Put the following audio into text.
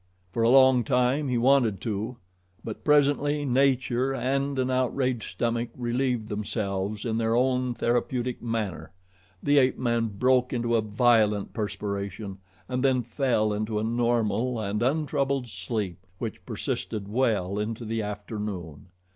For a long time he wanted to; but presently nature and an outraged stomach relieved themselves in their own therapeutic manner, the ape man broke into a violent perspiration and then fell into a normal and untroubled sleep which persisted well into the afternoon.